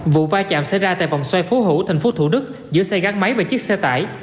vụ vai trạm xảy ra tại vòng xoay phố hữu thành phố thủ đức giữa xe gắn máy và chiếc xe tải